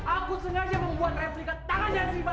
aku sengaja membuat replika tangannya shiva